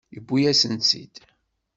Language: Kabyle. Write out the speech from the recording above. Yewwi-yasen-tt-id.